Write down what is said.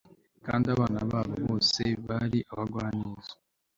kandi abana babo, bose bari abagwaneza